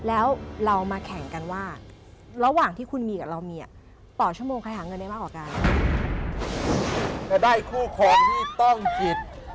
อ้าวไป